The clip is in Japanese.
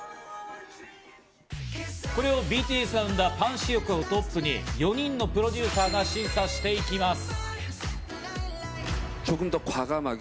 これをＢＴＳを生んだパン・シヒョクをトップに４人のプロデューサーが審査していきます。